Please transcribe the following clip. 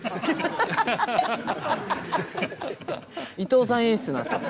伊藤さん演出なんすよ。